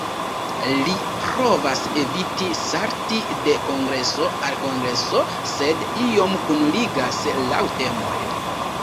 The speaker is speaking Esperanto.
Li provas eviti salti de kongreso al kongreso, sed iom kunligas laŭ temoj.